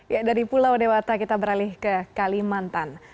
ya dari pulau dewata kita beralih ke kalimantan